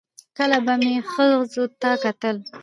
کله به مې ښځو ته کتل